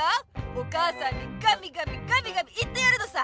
お母さんにガミガミガミガミ言ってやるのさ！